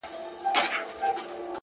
دلته خواران ټوله وي دلته ليوني ورانوي!